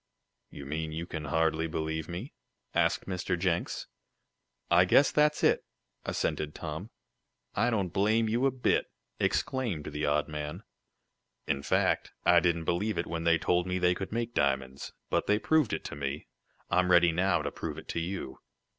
"You mean you can hardly believe me?" asked Mr. Jenks. "I guess that's it," assented Tom. "I don't blame you a bit!" exclaimed the odd man. "In fact, I didn't believe it when they told me they could make diamonds. But they proved it to me. I'm ready now to prove it to you."